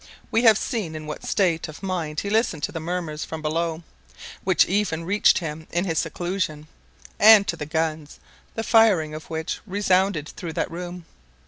We have seen in what state of mind he listened to the murmurs from below, which even reached him in his seclusion, and to the guns, the firing of which resounded through that room.